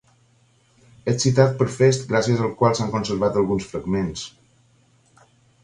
És citat per Fest gràcies al qual s'han conservat alguns fragments.